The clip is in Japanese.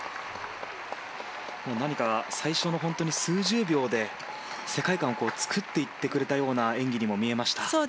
何か、最初の数十秒で世界観を作っていってくれたような演技に見えました。